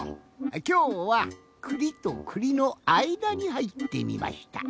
きょうはくりとくりのあいだにはいってみました。